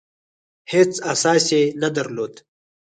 هېڅ اساس یې نه درلود.